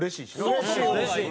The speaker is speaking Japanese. うれしいうれしい。